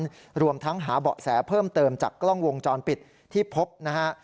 รวมทั้งหาเบาะแสเพิ่มเติมจากกล้องวงจรปิดที่พบนะฮะ